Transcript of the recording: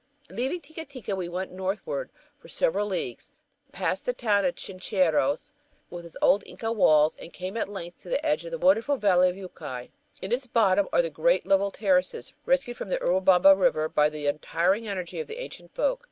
Leaving Ttica Ttica, we went northward for several leagues, passed the town of Chincheros, with its old Inca walls, and came at length to the edge of the wonderful valley of Yucay. In its bottom are great level terraces rescued from the Urubamba River by the untiring energy of the ancient folk.